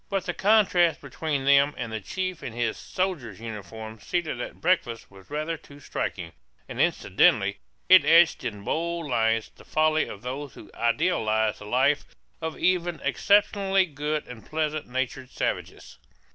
But the contrast between them and the chief in his soldier's uniform seated at breakfast was rather too striking; and incidentally it etched in bold lines the folly of those who idealize the life of even exceptionally good and pleasant natured savages.